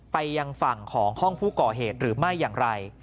ไปยังฝั่งของห้องผู้ก่อเหตุหรือไม่อย่างไร